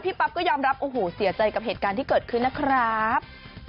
ปั๊บก็ยอมรับโอ้โหเสียใจกับเหตุการณ์ที่เกิดขึ้นนะครับ